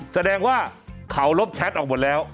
แสดงว่าเขาลบแชทออกหมดแล้ว